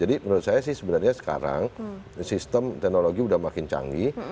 jadi menurut saya sih sebenarnya sekarang sistem teknologi udah makin canggih